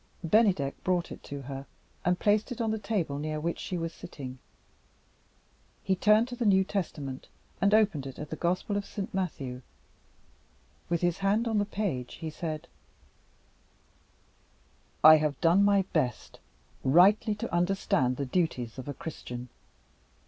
Bennydeck brought it to her, and placed it on the table near which she was sitting. He turned to the New Testament, and opened it at the Gospel of Saint Matthew. With his hand on the page, he said: "I have done my best rightly to understand the duties of a Christian.